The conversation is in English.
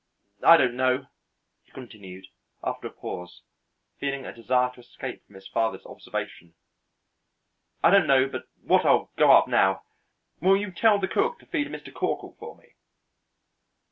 I don't know" he continued, after a pause, feeling a desire to escape from his father's observation "I don't know but what I'll go up now. Will you tell the cook to feed Mr. Corkle for me?"